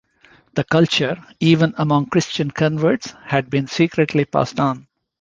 The culture, even among Christian converts, had been secretly passed on.